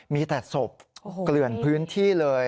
มีแต่ศพเกลื่อนพื้นที่เลย